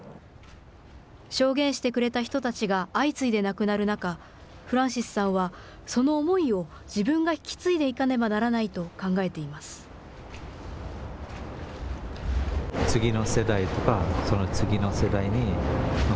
証言してくれた人たちが相次いで亡くなる中、フランシスさんはその思いを自分が引き継いでいかねばならないと考えています。